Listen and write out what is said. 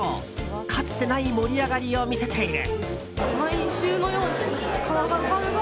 かつてない盛り上がりを見せている。